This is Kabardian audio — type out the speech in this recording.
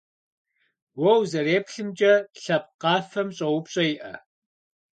Уэ узэреплъымкӏэ, лъэпкъ къафэм щӀэупщӀэ иӀэ?